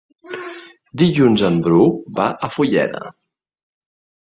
Dilluns en Bru va a Fulleda.